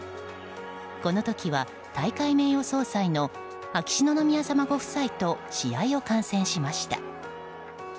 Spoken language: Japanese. この時は、大会名誉総裁の秋篠宮さまご夫妻と試合を観戦しました。